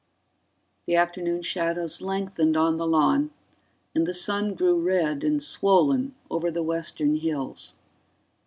_The afternoon shadows lengthened on the lawn and the sun grew red and swollen over the western hills.